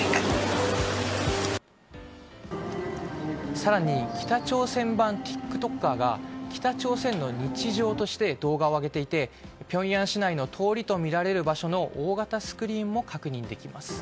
更に北朝鮮版ティックトッカーが北朝鮮の日常として動画を上げていてピョンヤン市内の通りとみられる場所の大型スクリーンも確認できます。